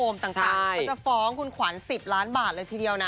ต่างเขาจะฟ้องคุณขวัญ๑๐ล้านบาทเลยทีเดียวนะ